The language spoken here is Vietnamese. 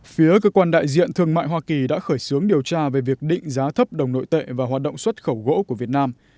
phía cơ quan đại diện thương mại hoa kỳ đã khởi xướng điều tra về việc định giá thấp đồng nội tệ và hoạt động xuất khẩu gỗ của việt nam